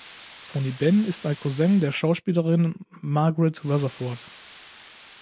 Tony Benn ist ein Cousin der Schauspielerin Margaret Rutherford.